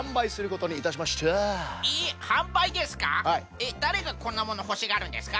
えっだれがこんなものほしがるんですか？